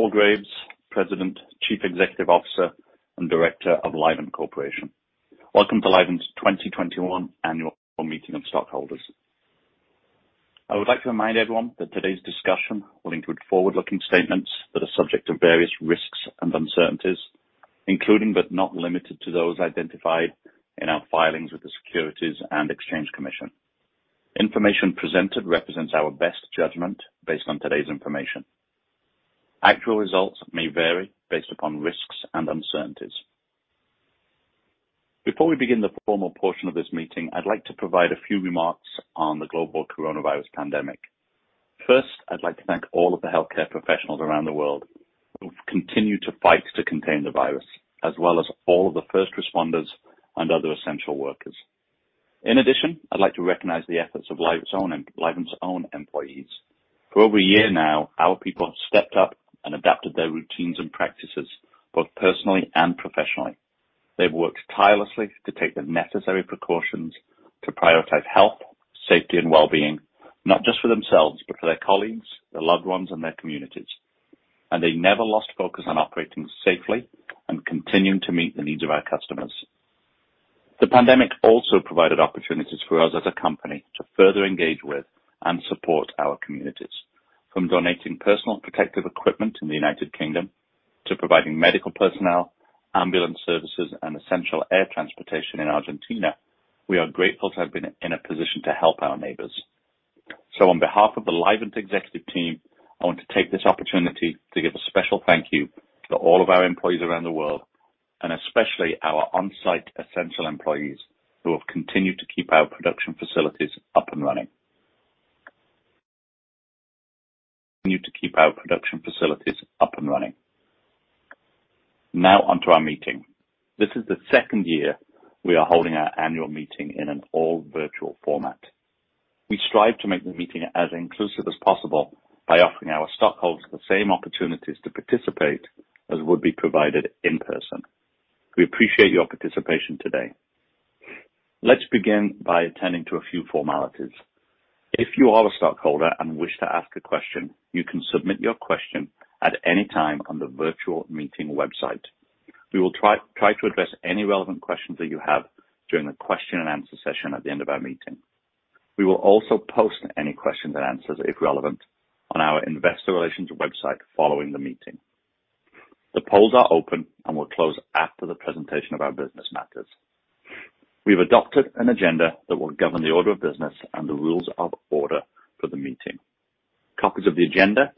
Good afternoon, I'm Paul Graves, President, Chief Executive Officer, and Director of Livent Corporation. Welcome to Livent's 2021 Annual Meeting of Stockholders. I would like to remind everyone that today's discussion will include forward-looking statements that are subject to various risks and uncertainties, including but not limited to those identified in our filings with the Securities and Exchange Commission. Information presented represents our best judgment based on today's information. Actual results may vary based upon risks and uncertainties. Before we begin the formal portion of this meeting, I'd like to provide a few remarks on the global coronavirus pandemic. First, I'd like to thank all of the healthcare professionals around the world who've continued to fight to contain the virus, as well as all of the first responders and other essential workers. In addition, I'd like to recognize the efforts of Livent's own employees. For over a year now, our people have stepped up and adapted their routines and practices, both personally and professionally. They've worked tirelessly to take the necessary precautions to prioritize health, safety, and well-being, not just for themselves, but for their colleagues, their loved ones, and their communities. They never lost focus on operating safely and continuing to meet the needs of our customers. The pandemic also provided opportunities for us as a company to further engage with and support our communities. From donating personal protective equipment in the U.K. to providing medical personnel, ambulance services, and essential air transportation in Argentina, we are grateful to have been in a position to help our neighbors. On behalf of the Livent executive team, I want to take this opportunity to give a special thank you to all of our employees around the world, and especially our on-site essential employees who have continued to keep our production facilities up and running. Onto our meeting. This is the second year we are holding our annual meeting in an all-virtual format. We strive to make the meeting as inclusive as possible by offering our stockholders the same opportunities to participate as would be provided in person. We appreciate your participation today. Let's begin by attending to a few formalities. If you are a stockholder and wish to ask a question, you can submit your question at any time on the virtual meeting website. We will try to address any relevant questions that you have during the question-and-answer session at the end of our meeting. We will also post any questions and answers, if relevant, on our investor relations website following the meeting. The polls are open and will close after the presentation of our business matters. We've adopted an agenda that will govern the order of business and the rules of order for the meeting. Copies of the agenda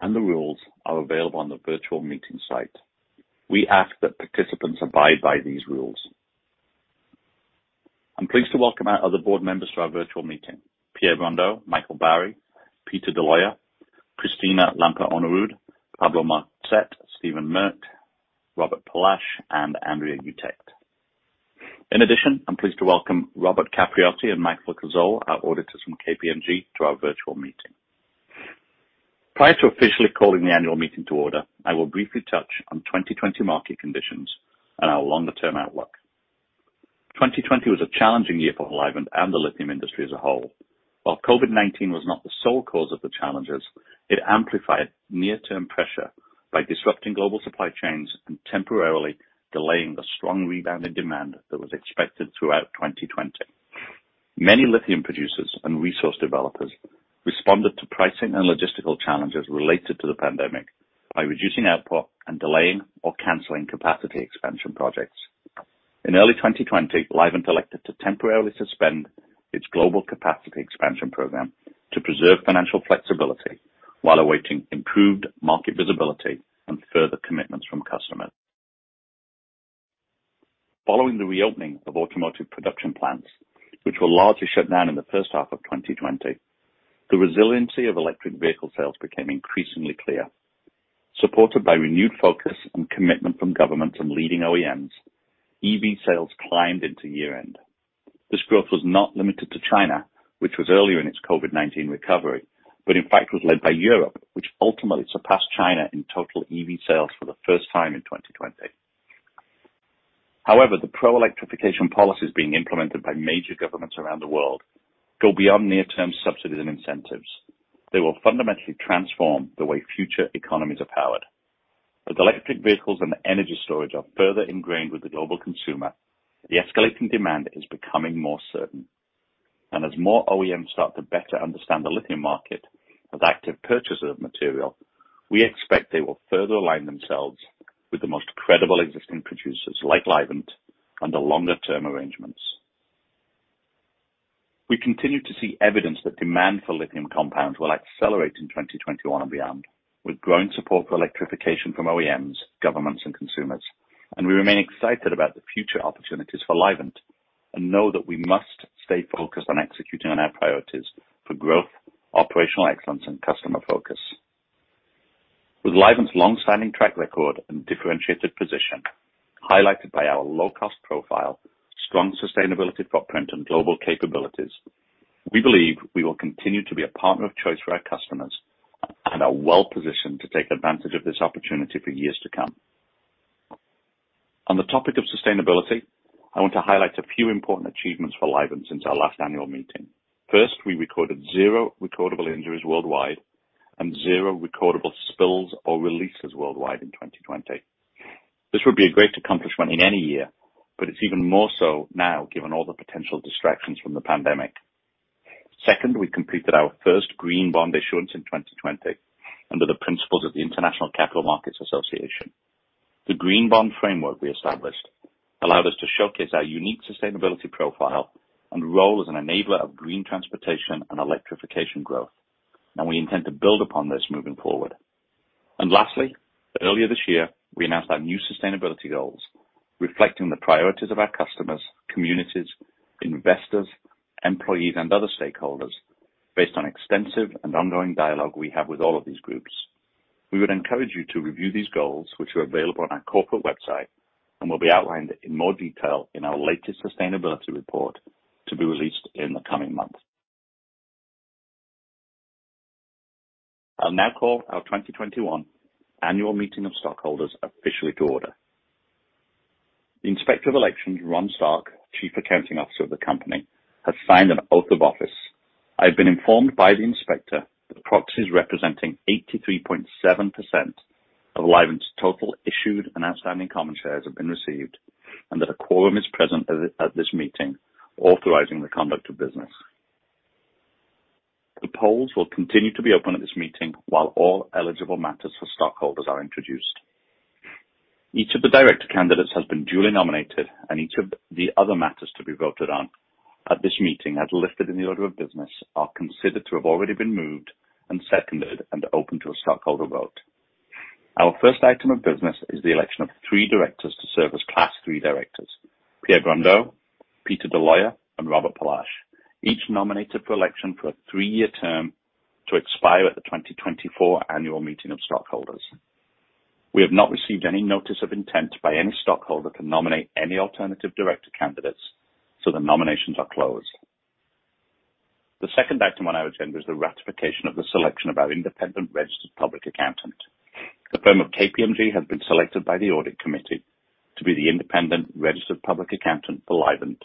and the rules are available on the virtual meeting site. We ask that participants abide by these rules. I'm pleased to welcome our other board members to our virtual meeting. Pierre Brondeau, Michael Barry, Peter D'Aloia, Christina Lampe-Önnerud, Pablo Marcet, Steven Merkt, Robert Pallash, and Andrea Utecht. In addition, I'm pleased to welcome Robert Capriotti and Mike Lacaze, our auditors from KPMG, to our virtual meeting. Prior to officially calling the annual meeting to order, I will briefly touch on 2020 market conditions and our longer-term outlook. 2020 was a challenging year for Livent and the lithium industry as a whole. While COVID-19 was not the sole cause of the challenges, it amplified near-term pressure by disrupting global supply chains and temporarily delaying the strong rebound in demand that was expected throughout 2020. Many lithium producers and resource developers responded to pricing and logistical challenges related to the pandemic by reducing output and delaying or canceling capacity expansion projects. In early 2020, Livent elected to temporarily suspend its global capacity expansion program to preserve financial flexibility while awaiting improved market visibility and further commitments from customers. Following the reopening of automotive production plants, which were largely shut down in the first half of 2020, the resiliency of electric vehicle sales became increasingly clear. Supported by renewed focus and commitment from governments and leading OEMs, EV sales climbed into year-end. This growth was not limited to China, which was earlier in its COVID-19 recovery, but in fact was led by Europe, which ultimately surpassed China in total EV sales for the first time in 2020. However, the pro-electrification policies being implemented by major governments around the world go beyond near-term subsidies and incentives. They will fundamentally transform the way future economies are powered. As electric vehicles and energy storage are further ingrained with the global consumer, the escalating demand is becoming more certain. As more OEMs start to better understand the lithium market as active purchasers of material, we expect they will further align themselves with the most credible existing producers like Livent under longer term arrangements. We continue to see evidence that demand for lithium compounds will accelerate in 2021 and beyond, with growing support for electrification from OEMs, governments, and consumers, and we remain excited about the future opportunities for Livent and know that we must stay focused on executing on our priorities for growth, operational excellence, and customer focus. With Livent's long-standing track record and differentiated position, highlighted by our low-cost profile, strong sustainability footprint, and global capabilities, we believe we will continue to be a partner of choice for our customers and are well-positioned to take advantage of this opportunity for years to come. On the topic of sustainability, I want to highlight a few important achievements for Livent since our last annual meeting. First, we recorded zero recordable injuries worldwide and zero recordable spills or releases worldwide in 2020. This would be a great accomplishment in any year, but it's even more so now given all the potential distractions from the pandemic. Second, we completed our first green bond issuance in 2020 under the principles of the International Capital Market Association. The green bond framework we established allowed us to showcase our unique sustainability profile and role as an enabler of green transportation and electrification growth. We intend to build upon this moving forward. Lastly, earlier this year, we announced our new sustainability goals, reflecting the priorities of our customers, communities, investors, employees, and other stakeholders based on extensive and ongoing dialogue we have with all of these groups. We would encourage you to review these goals, which are available on our corporate website and will be outlined in more detail in our latest sustainability report to be released in the coming months. I'll now call our 2021 annual meeting of stockholders officially to order. The Inspector of Elections, Ron Stark, Chief Accounting Officer of the company, has signed an oath of office. I have been informed by the inspector that proxies representing 83.7% of Livent's total issued and outstanding common shares have been received, and that a quorum is present at this meeting authorizing the conduct of business. The polls will continue to be open at this meeting while all eligible matters for stockholders are introduced. Each of the director candidates has been duly nominated, and each of the other matters to be voted on at this meeting, as listed in the order of business, are considered to have already been moved and seconded and open to a stockholder vote. Our first item of business is the election of three directors to serve as Class III directors. Pierre Brondeau, Peter D'Aloia, and Robert Pallash, each nominated for election for a three-year term to expire at the 2024 annual meeting of stockholders. We have not received any notice of intent by any stockholder to nominate any alternative director candidates. The nominations are closed. The second item on our agenda is the ratification of the selection of our independent registered public accountant. The firm of KPMG has been selected by the audit committee to be the independent registered public accountant for Livent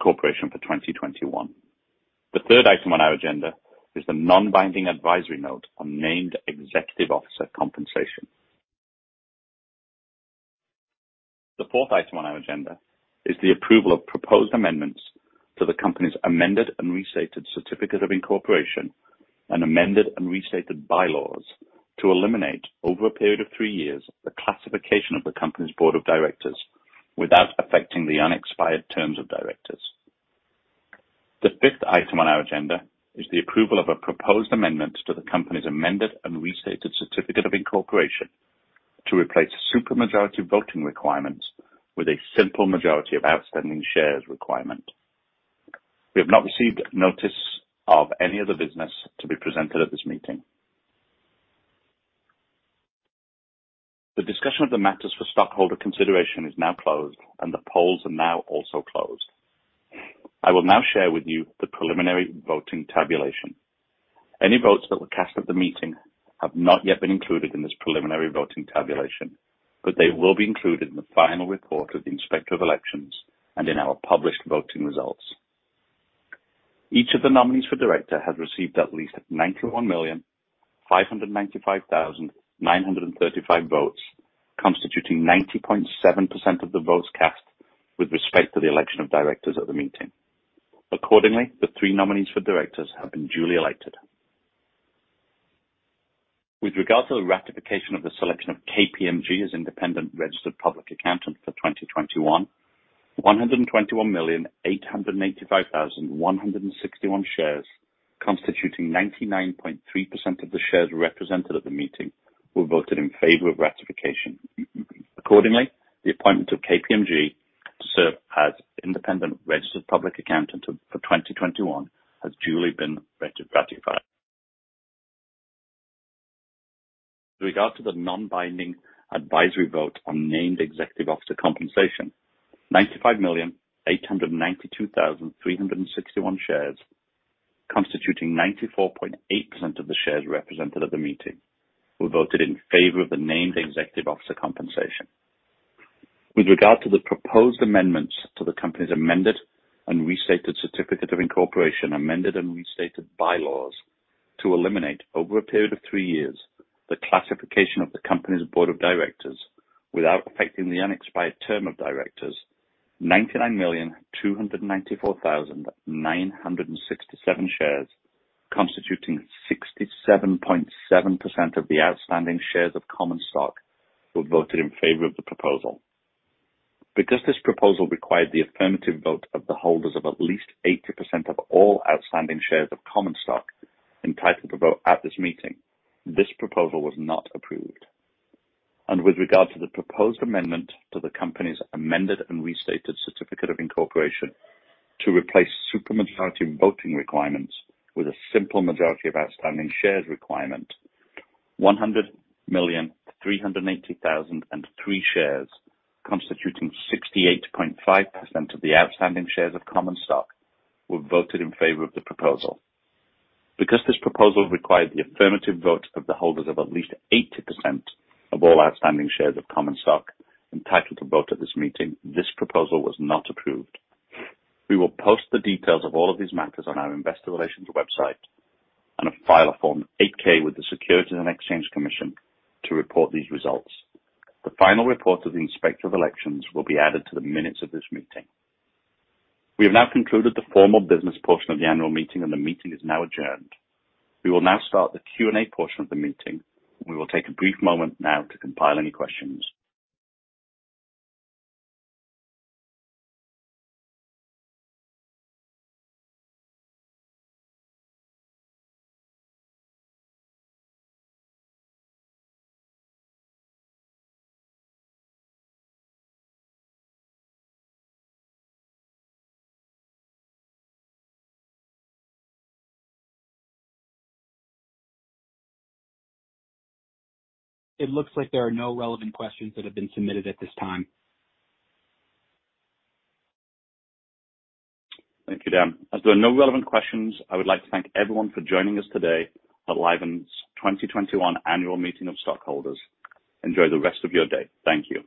Corporation for 2021. The third item on our agenda is the non-binding advisory note on named executive officer compensation. The fourth item on our agenda is the approval of proposed amendments to the company's amended and restated certificate of incorporation and amended and restated bylaws to eliminate, over a period of three years, the classification of the company's board of directors without affecting the unexpired terms of directors. The fifth item on our agenda is the approval of a proposed amendment to the company's amended and restated certificate of incorporation to replace supermajority voting requirements with a simple majority of outstanding shares requirement. We have not received notice of any other business to be presented at this meeting. The discussion of the matters for stockholder consideration is now closed, and the polls are now also closed. I will now share with you the preliminary voting tabulation. Any votes that were cast at the meeting have not yet been included in this preliminary voting tabulation, but they will be included in the final report of the Inspector of Elections and in our published voting results. Each of the nominees for director has received at least 91,595,935 votes, constituting 90.7% of the votes cast with respect to the election of directors at the meeting. Accordingly, the three nominees for directors have been duly elected. With regard to the ratification of the selection of KPMG as independent registered public accountant for 2021, 121,885,161 shares, constituting 99.3% of the shares represented at the meeting, were voted in favor of ratification. Accordingly, the appointment of KPMG to serve as independent registered public accountant for 2021 has duly been ratified. With regard to the non-binding advisory vote on named executive officer compensation, 95,892,361 shares, constituting 94.8% of the shares represented at the meeting, were voted in favor of the named executive officer compensation. With regard to the proposed amendments to the company's amended and restated certificate of incorporation, amended and restated bylaws to eliminate, over a period of three years, the classification of the company's board of directors without affecting the unexpired term of directors, 99,294,967 shares, constituting 67.7% of the outstanding shares of common stock, were voted in favor of the proposal. Because this proposal required the affirmative vote of the holders of at least 80% of all outstanding shares of common stock entitled to vote at this meeting, this proposal was not approved. With regard to the proposed amendment to the company's amended and restated certificate of incorporation to replace super majority voting requirements with a simple majority of outstanding shares requirement, 100,380,003 shares, constituting 68.5% of the outstanding shares of common stock, were voted in favor of the proposal. Because this proposal required the affirmative vote of the holders of at least 80% of all outstanding shares of common stock entitled to vote at this meeting, this proposal was not approved. We will post the details of all of these matters on our investor relations website and file a Form 8-K with the Securities and Exchange Commission to report these results. The final report of the Inspector of Elections will be added to the minutes of this meeting. We have now concluded the formal business portion of the annual meeting, and the meeting is now adjourned. We will now start the Q&A portion of the meeting. We will take a brief moment now to compile any questions. It looks like there are no relevant questions that have been submitted at this time. Thank you, Dan. As there are no relevant questions, I would like to thank everyone for joining us today at Livent's 2021 annual meeting of stockholders. Enjoy the rest of your day, thank you.